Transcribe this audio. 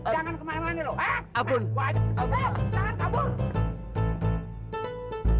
jangan kemana mana loh ha ha abun abun abun